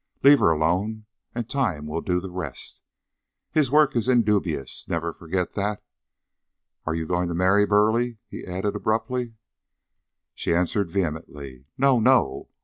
Leave her alone and Time will do the rest. His work is indubious; never forget that. Are you going to marry Burleigh?" he added abruptly. She answered vehemently, "No! No!"